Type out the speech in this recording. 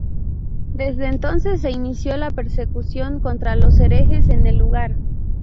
Desde entonces se inició la persecución contra los herejes en el lugar.